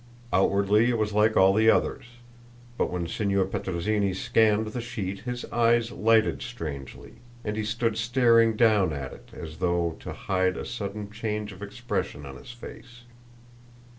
Outwardly it was like all the others, but when Signor Petrozinni scanned the sheet his eyes lighted strangely, and he stood staring down at it as though to hide a sudden change of expression in his face.